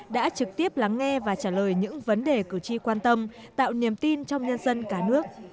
đã trực tiếp lắng nghe và trả lời những vấn đề cử tri quan tâm tạo niềm tin trong nhân dân cả nước